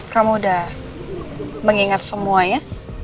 kamu udah mengingat semuanya